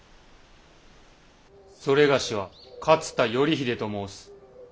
それがしは勝田頼秀と申す。